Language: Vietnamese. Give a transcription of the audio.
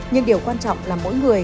nhưng điều quan trọng là mỗi người